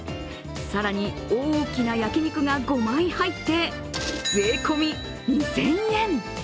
更に大きな焼き肉が５枚入って税込み２０００円。